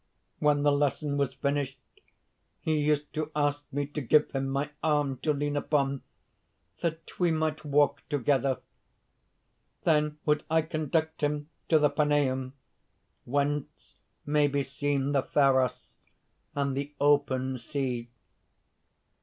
When the lesson was finished, he used to ask me to give him my arm to lean upon, that we might walk together. Then I would conduct him to the Paneum, whence may be seen the Pharos and the open sea.